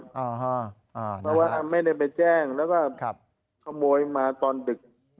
เพราะว่าไม่ได้ไปแจ้งแล้วก็ขโมยมาตอนดึก